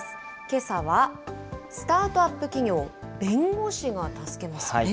けさは、スタートアップ企業、弁護士が助けます。